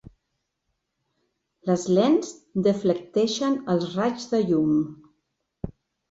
Les lents deflecteixen els raigs de llum.